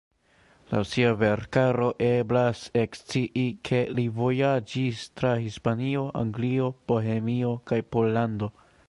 Laŭ sia verkaro eblas ekscii ke li vojaĝis tra Hispanio, Anglio, Bohemio kaj Pollando.